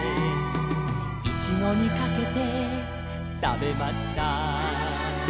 「いちごにかけてたべました」